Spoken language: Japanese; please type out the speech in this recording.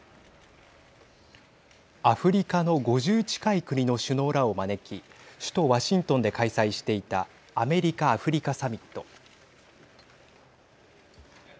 アフリカの５０近い国の首脳らを招き首都ワシントンで開催していたアメリカ・アフリカサミット。